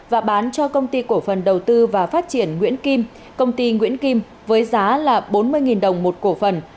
và bán cho công ty cổ phần đầu tư và phát triển nguyễn kim công ty nguyễn kim với giá là bốn mươi đồng một cổ phần